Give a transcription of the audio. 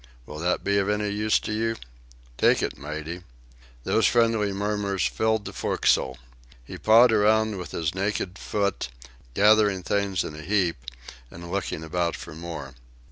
Will that be of any use to you?... Take it, matey...." Those friendly murmurs filled the forecastle. He pawed around with his naked foot, gathering the things in a heap and looked about for more.